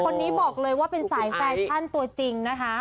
คนนี้บอกเลยว่าเป็นสายแฟชั่นตัวจริงนะคะ